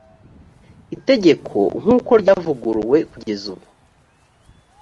itegeko nk’uko ryavuguruwe kugeza ubu